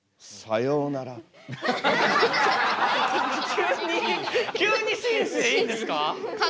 急に急に紳士でいいんですか？